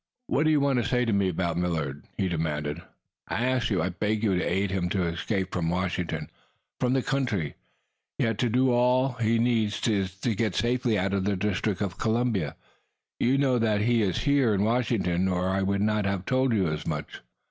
"What do you want to say to me about Millard?" he demanded. "I ask you I beg you to aid him to escape from Washington from the country. Yet, to do that, all he needs is to get safely out of the District of Columbia. You know that he is here in Washington, or I would not have told you as much."